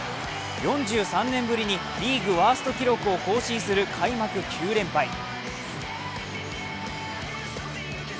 ４３年ぶりにリーグワースト記録を更新する開幕９連敗。